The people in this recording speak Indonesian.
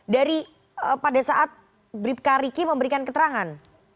dari pada saat bribka riki memberikan keterangan